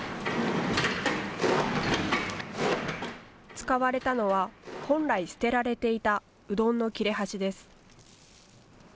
使われたのは本来捨てられていたうどんの切れ端です。